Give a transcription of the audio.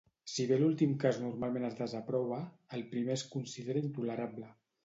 Si bé l'últim cas normalment es desaprova, el primer es considera intolerable.